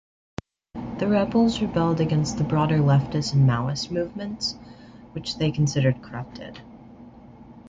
The Rebels rebelled against the broader Leftist and Maoists movement, which they considered corrupted.